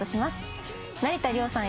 成田凌さん